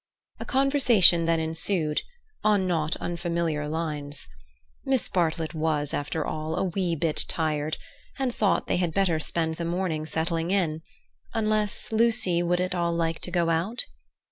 A conversation then ensued, on not unfamiliar lines. Miss Bartlett was, after all, a wee bit tired, and thought they had better spend the morning settling in; unless Lucy would at all like to go out?